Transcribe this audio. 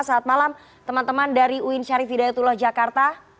saat malam teman teman dari uin syarif hidayatullah jakarta